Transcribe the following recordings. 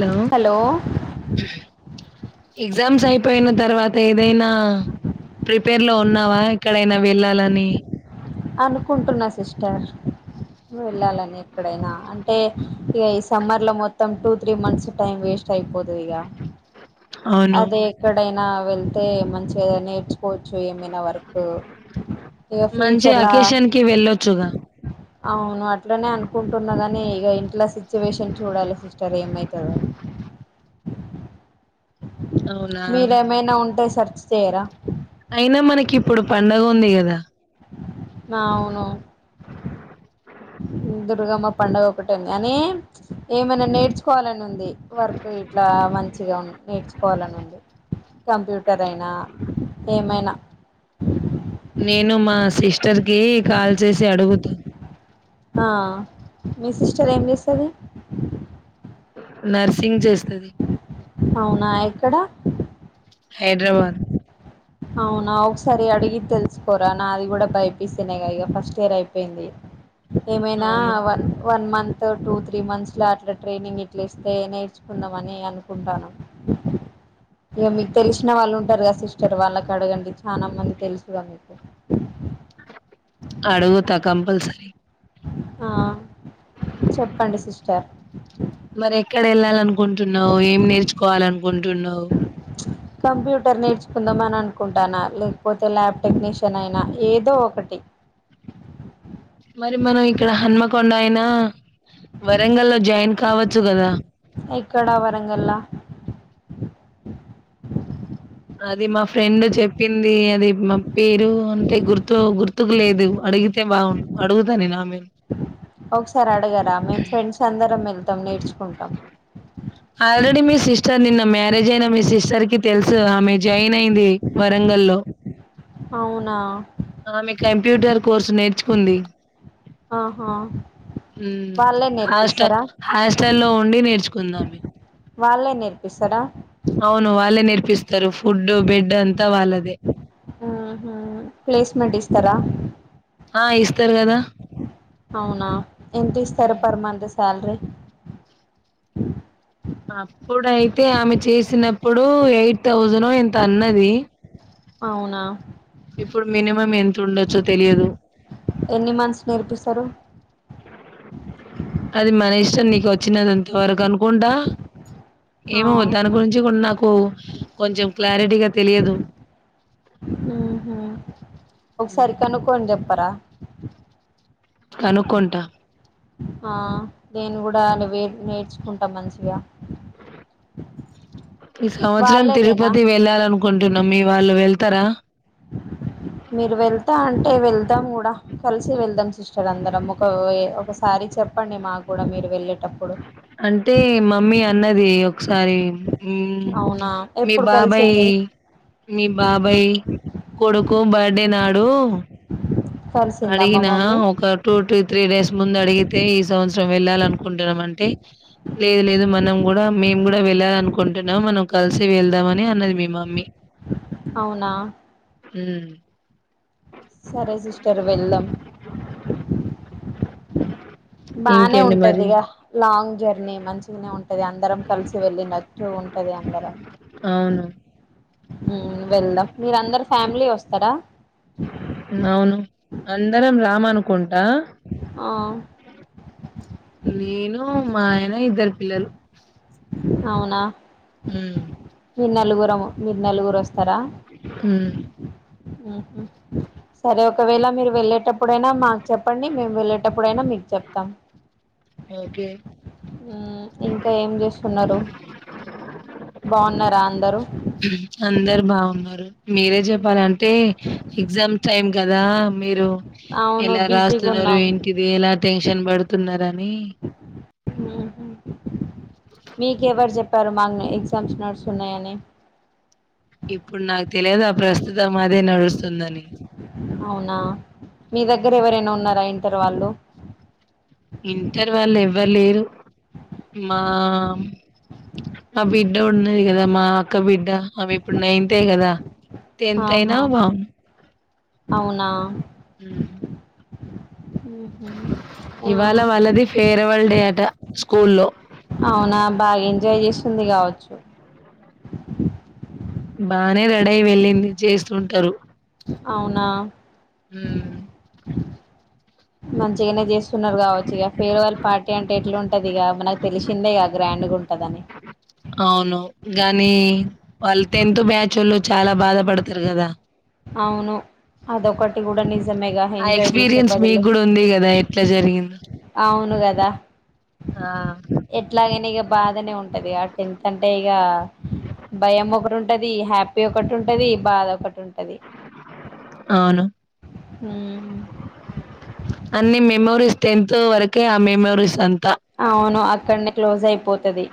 లో hello exams అయిపోయిన తర్వాత ఏదైనా ప్రిపేర్ లో ఉన్నావా ఎక్కడైనా వెళ్ళాలని అనుకుంటున్నా సిస్టర్ వెళ్ళాలని ఎక్కడైనా అంటే ఇగ ఈ సమ్మర్ లో మొత్తం two three months time waste అయిపోదు ఇగ అవును అదే ఎక్కడైనా వెళ్తే మంచిగా నేర్చు కోవచ్చు ఏమైనా వర్కు ఇగ ఫ్యూ జి అకేషన్ కి వెళ్ళొచ్చుగా అవును అ ఇట్లనే అనుకుంటున్న గానీ ఇగ ఇంట్లా సిచ్యువేషన్ చూడాలి సిస్టర్ ఏమైతదో అవునా మీరేమైనా ఉంటే సర్ సేరా అయినా మనకి ఇప్పుడు పండుగ ఉంది గదా అవును దుర్గమ్మ పండుగ ఒకటుంది అని ఏమైనా నేర్చుకోవాలన్ నుంది వర్క్ ఇట్లా మంచిగా నేర్చుకోవాలని ఉంది కంప్యూటర్ అయినా ఏమైనా నేను మా సిస్టర్ కి కాల్ చేసి అడుగుతా ఆ మీ సిస్టర్ ఏం చేస్తది నర్సింగ్ చేస్తది అవునా ఎక్కడ హైడ్రాబాద్ అవునా ఒకసారి అడిగి తెలుస్కోరా నాది గూడా భై పి సి నేగా ఇగ ఫస్ట్ ఇయర్ అయిపేయింది. ఏమైనా అవును one one month two three months లో అట్లా ట్రైనింగ్ ఇట్లిస్తే నేర్చుకుందామని అనుకుంటనం. ఇగ మీకు తెల్సిన వాళ్ళుంటారు కదా సిస్టర్ వాళ్ళ కడగండి చానా మంది తెలుసుగా మీకు అడుగుతా కంపల్సరీ ఆ చెప్పండి సిస్టర్ మరి ఎక్కడెళ్ళాలనుకుంటున్నావ్ ఏం నేర్చుకోవాలనుకుంటున్నావ్ కంప్యూటర్ నేర్చుకుందామని అనుకుంటాన్నా లేకపోతే ల్యాబ్ టెక్నీషియన్ అయినా ఏదో ఒకటి మరి మనం ఇక్కడ హనుమ కొండ అయినా వరంగల్లో జాయిన్ కావచ్చు కదా ఎక్కడ వరంగల్ల అది మా ఫ్రెండ్ చెప్పింది అది మా పేరు అంటే గుర్తు గుర్తుకు లేదు అడిగితే బాగుండు అడుగుతానేనా అమే ఒక సారి అడగరా మేం ఫ్రెండ్స్ అందరం మెళ్లు వే టం నేర్చుకుంటాం ఆల్రెడి మీ సిస్టర్ నిన్న మ్యారేజ్ అయిన మీ సిస్టర్ కి తెలుసు కదా ఆమె జాయిన్ అయింది వరంగల్ లో అవునా ఆమె కంప్యూటర్ కోర్స్ నేర్చు ఉంది ఆహా హు వాళ్ళే హాస్టల్ నేర్పిస్తారా హాస్టల్లో ఉండి నేర్చుకుంది ఆమె వాళ్ళే నేర్పిస్తరా అవును వాళ్ళే నేర్పిస్ తరు ఫుడ్డు బెడ్డు అంతా వాళ్ళదే ఊహూ ప్లేస్మెంట్ ఇస్తారా ఆ ఇస్తరు కదా అవునా ఎంత ఇస్తారు హ్మ్. ఫర్ మంత్ సాలరీ అప్పుడైతే ఆమె చేసినప్పుడు ఎయిట్ థౌసంనో ఎంతో అన్నది అవునా ఇప్పుడు మినిమం ఎంత ఉండొచ్చో తెలియదు ఎన్ని మంత్స్ నేర్పిస్తారు అది మ సిస్టం నీకొచ్చినదింతవరకనుకుంటా ఆ ఏమో దాని గురించి కూడా నాకు కొంచం క్లారిటీగా తెలియదు ఊహు ఒకసారి కనుక్కొని చెప్పరా కనుకుంటా హ నేను కూడా అలపోయి నేర్చుకుంటా మంచిగా ఈ సంవత్సరం వాళ్ళేదేనా తిరుపతి వెళ్ళాలినుకుంటున్నాం మీ వాళ్ళు వెళ్ త్తర అంటె వెళ్దాం కూడా కలిసి వెళ్దాం సిస్టర్ అందరం ఒక వే ఒకసారి చెప్పండి మాకు కూడా మీరు వెళ్ళేటప్పుడు, అంటే మమ్మీ అన్నది ఒకసారి ఉహు అవునా మీ ఎప్పుడు బాబాయ్ కలిసింది మీ బాబాయ్ కొడుకు బ దేనాడు కలిసిందా మా అడిగినా మమ్మీ ఒక టూ టూ త్రీ డేస్ ముందు అడిగితే ఈ సంవత్సరం వెళ్ళాలనుకుంటున్నాం అంటే. లేదు లేదు మనం కూడా మేము కూడా వెళ్ళాలి అనుకుంటున్నాం, మనం కలిసి వెళ్దామని అన్నది మీ మమ్మీ. అవునా. హ్మ్ సరే, సిస్టర్ వెళ్దాం. బానే ఇంకేంటి మరి ఉంటదిగ, లాంగ్. జర్నీ మంచిగున్న. ఇది అందరం కలిసి వెళ్ళి నట్టు ఉంటది అందరం. అవును ఉమ్ వెళ్దాం మీరందరు ఫ్యామిలీ వొస్తారా. అవును, అందరం రామాను. కొన్. ఆ. నేను, మా ఆయన, ఇద్దరు పిల్లలు. అవునా. ఉమ్. మీరు నలుగురము, మీరు నలుగురు రొస్. తర. హ్మ్ సరే ఒకవేళ మీరు వెళ్ళేటప్పుడైనా మాకు చెప్పండి, మేము వెళ్ళేటప్. ప్పుడైనా మీకు చెప్తాం, ఓకే ఉమ్ ఇంకా ఏం స్. ఉన్నారు, బాన్నార్. అందరు, బాగున్నారు. మీరే చెప్పాలంటే, ఎగ్జామ్ టైమ్ గదా, మీరు. అవును ఎలా బిజీగా రాస్తునరు ఉన్నాం ఎంటిది, ఎలా టెన్షన్ బడు. తున్నారని. మీకెవరు చెప్ప. పర్మాగన్ ఎగ్జామ్స్ నడుస్తు ఉన్నాయని. ఇప్పుడు తుందని. అవునా. మీ దగ్గర ఎవరైనా ఉన్నారా, ఇన్. ఇంటర్ వాళ్ళు. ఇంటర్ వాళ్ళు, ఎవ్వలేరు. మా న బిడ్డ ఉన్నా. ఉన్నది గదా మా అక్క బిడ్డ. ద ఆమె ఇప్పుడు నైతే గదా, టెన్త్ అయినా ఆహా బాగు. అవునా. హ్మ్ ఉహు ఆ ఇవాళ వాళ్ళది ఫేర వల్డే స్కూల్లో అవునా బాగా ఎంజాయ్ చేసింది కావచ్చు. బానే రెడీ అయి వెళ్ళింది చేస్తుంటారు. అవునా. మ్ మంచిగనే చేస్తున్నరు కావచ్చు ఇగ ఫేర్వెల్ పార్టీ అంటే ఎట్లుంటది ఇగ మనకు తెలిసిందేగా గ్రాండ్గా ఉంటదని. అవును గానీ వాళ్ళు టెన్త్ బ్యాచ్ వాళ్ళు చాలా బాధ పడతరు కదా. అవును అదొకటి కూడా నిజ ఆ ఎక్స్పీరియన్స్ మీక్ గుడ ఉంది కదా ఎట్లా జరిగిందో రా ఎట్లాగైన ఇగ బాధనే ఉంటది. అ టెంత అంటే ఇగ భయం ఒకరు ఉం ఉంటది హ్యాపీ ఒకటుంటది. బాధ ఒకటుం అవును. హ్మ్ ఓన్లీ టెన్త్ వరకే ఆ మెమోరీస్ అంతా అవును అక్కడ్నే క్లోజ్ అయిపోతది.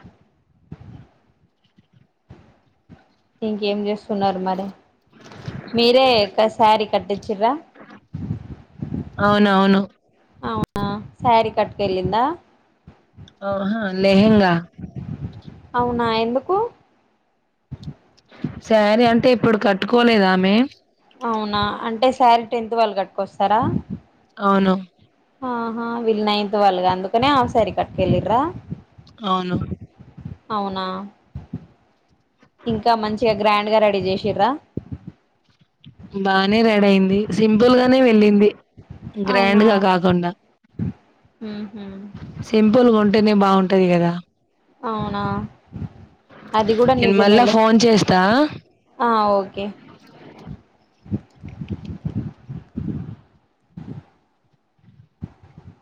ఇంకేం చేస్ స్తున్నారు మరి మీరే అ సారీ కట్ చిరా అవునవును. అవునా సారీ కట్కెలిందా ఆహా లహెంగా. అవునా ఎందుకూ సారీ అంటే ఇప్పుడు కట్టుకోలేద్ ఆమె అవునా అంటే సారీ టెన్త్ వాళ్ళు కట్ కొస్తరా. అవును. ఆహా! వీళ్ నైన్త్ వాళ్ళుగా అందుకనే హాఫ్ సారీ కట్టుకెళ్ళిరా అవును అవునా ఇంకా మంచిగా గ్రాండ్గా రెడీ చేసిన్రా. బానే రెడయింది. సింపుల్గనే వెళ్ళింది. అవునా గ్రాండ్గా కాకుండా ఉహు సింపుల్గా ఉంటేనే బాగుం ఉంటది కదా అవునా అది గుడా నేను నిజమే మళ్ళా ఫోన్ చేస్తా ఆ ఓకే ఆ